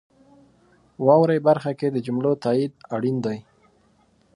واورئ برخه کې د جملو تایید اړین دی.